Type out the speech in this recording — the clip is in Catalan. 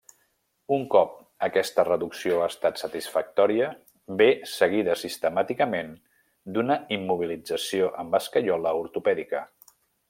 Un cop aquesta reducció ha estat satisfactòria, ve seguida sistemàticament d'una immobilització amb escaiola ortopèdica.